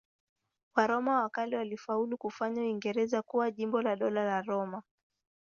Waroma wa kale walifaulu kufanya Uingereza kuwa jimbo la Dola la Roma.